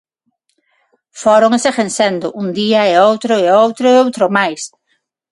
Foron e seguen sendo un día e outro, e outro e outro máis.